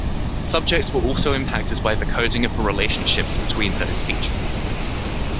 Subjects were also impacted by the coding of the relationships between those features.